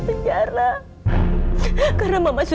mama yang melakukan semua itu